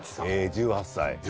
１８歳。